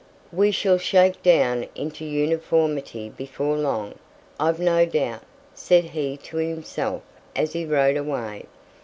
"We shall shake down into uniformity before long, I've no doubt," said he to himself, as he rode away.